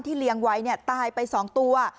เลี้ยงไว้ตายไป๒ตัว